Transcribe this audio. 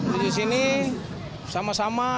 dari sini sama sama